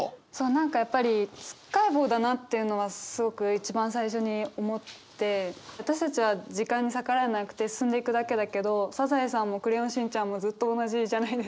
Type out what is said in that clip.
何かやっぱりつっかえ棒だなっていうのはすごく一番最初に思って私たちは時間に逆らえなくて進んでいくだけだけど「サザエさん」も「クレヨンしんちゃん」もずっと同じじゃないですか。